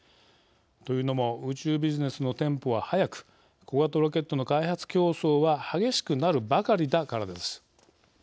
というのも宇宙ビジネスのテンポは速く小型ロケットの開発競争は激しくなるばかりだからです。